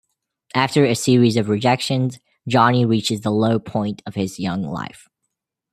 After a series of rejections, Johnny reaches the low point of his young life.